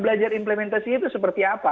berdeka belajar implementasi itu seperti apa